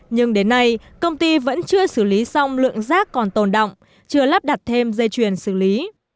nhưng đến nay công ty vẫn chưa xử lý xong lượng rác còn tồn động chưa lắp đặt thêm dây chuyền xử lý